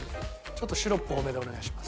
ちょっとシロップ多めでお願いします。